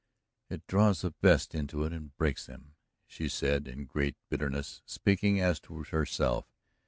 "It draws the best into it and breaks them," she said in great bitterness, speaking as to herself.